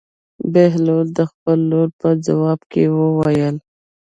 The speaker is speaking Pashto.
بهلول د خپلې لور په ځواب کې وویل.